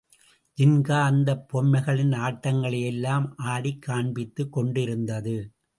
ஜின்கா அந்த பொம்மைகளின் ஆட்டங்களையெல்லாம் ஆடிக் காண்பித்துக் கொண்டிருந்தது.